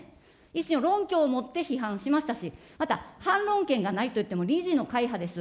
維新を論拠をもって批判しましたし、また、反論権がないといっても、理事の会派です。